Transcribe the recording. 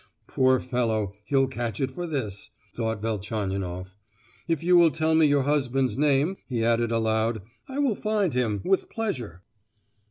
"Poor fellow, he'll catch it for this," thought Velchaninoff. "If you will tell me your husband's name," he added aloud, "I will find him, with pleasure."